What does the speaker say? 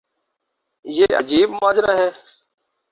یہ عجیب ماجرا ہے۔